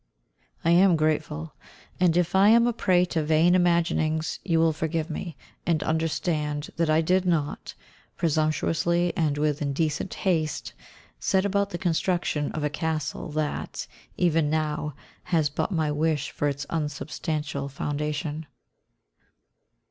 I am grateful, and if I am a prey to vain imaginings, you will forgive me, and understand that I did not, presumptuously and with indecent haste, set about the construction of a castle that, even now, has but my wish for its unsubstantial foundation.